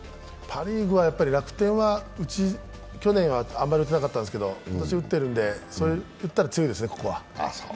パ・リーグは楽天は去年はあまり打てなかったですけど、今年打ってるんで、打ったら強いですね、ここは。